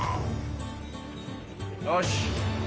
よし。